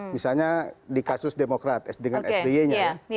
misalnya di kasus demokrat dengan sdy nya